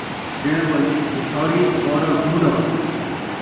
جئیں ول بٹھاری ، وارا ہون٘دا